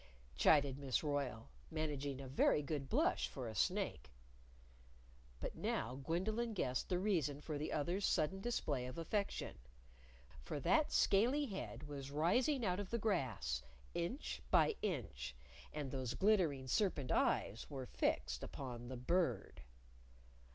chided Miss Royle, managing a very good blush for a snake. But now Gwendolyn guessed the reason for the other's sudden display of affection. For that scaly head was rising out of the grass, inch by inch, and those glittering serpent eyes were fixed upon the Bird!